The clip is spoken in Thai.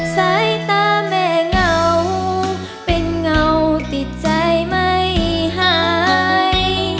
สายตาแม่เหงาเป็นเงาติดใจไม่หาย